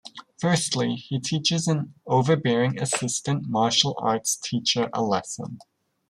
Firstly, he teaches an overbearing assistant martial arts teacher a lesson.